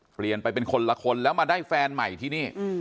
เปลี่ยนไปเป็นคนละคนแล้วมาได้แฟนใหม่ที่นี่